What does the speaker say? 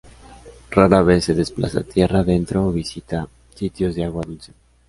Rara vez se desplaza tierra adentro o visita sitios de agua dulce.